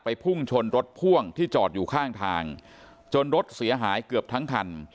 พุ่งชนรถพ่วงที่จอดอยู่ข้างทางจนรถเสียหายเกือบทั้งคัน